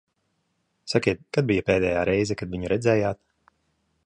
Sakiet, kad bija pēdējā reize, kad viņu redzējāt?